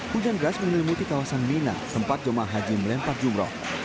hujan gas menelimuti kawasan mina tempat jemaah haji melempar jumroh